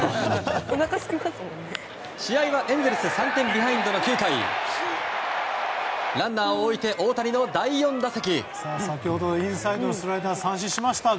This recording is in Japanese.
試合はエンゼルス３点ビハインドの９回ランナーを置いて大谷の第４打席。